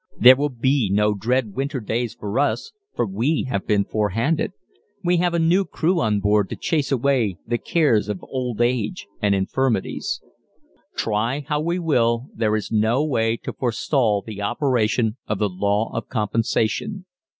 There will be no dread winter days for us for we have been forehanded we have a new crew on board to chase away the cares of old age and infirmities. Try how we will there is no way to forestall the operation of the law of compensation.